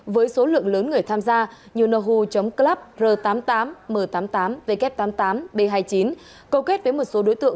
với số lượng lớn người tham gia như nohoo club r tám mươi tám m tám mươi tám w tám mươi tám b hai mươi chín cầu kết với một số đối tượng